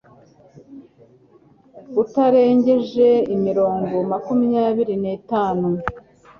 utarengeje imirongo makumyabiri n'itanu